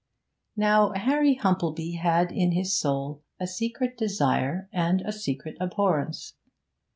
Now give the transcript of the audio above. Now Harry Humplebee had in his soul a secret desire and a secret abhorrence.